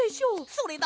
それだ！